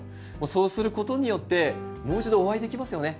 そうすることによってもう一度お会いできますよね。